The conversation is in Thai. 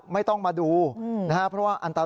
ไม่ต้องมาดูนะครับเพราะว่าอันตราย